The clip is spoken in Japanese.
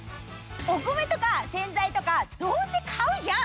お米とか洗剤とかどうせ買うじゃん！